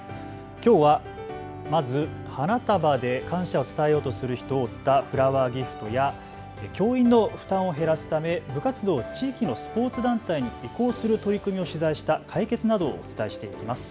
きょうはまず花束で感謝を伝えようとする人を追ったフラワーギフトや教員の負担を減らすため部活動を地域のスポーツ団体に移行する取り組みを取材したカイケツなどをお伝えしていきます。